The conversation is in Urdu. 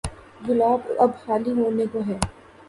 گلاس اب خالی ہونے کو ہے۔